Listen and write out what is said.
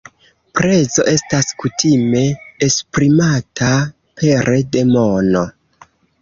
Prezo estas kutime esprimata pere de mono.